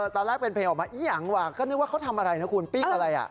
ตอนแรกเป็นเพลงออกมาเอียงว่ะก็นึกว่าเขาทำอะไรนะคุณปิ้งอะไรอ่ะ